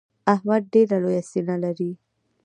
احمد ډېره لو سينه لري.